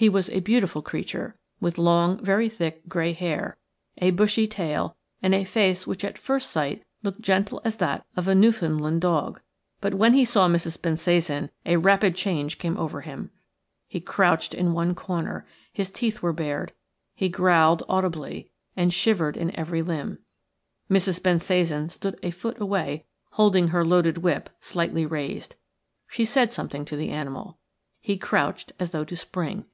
He was a beautiful creature, with long, very thick grey hair, a bushy tail, and a face which at first sight looked gentle as that of a Newfoundland dog. But when he saw Mrs. Bensasan a rapid change came over him. He crouched in one corner; his teeth were bared, he growled audibly, and shivered in every limb. Mrs. Bensasan stood a foot away, holding her loaded whip slightly raised. She said something to the animal. He crouched as though to spring.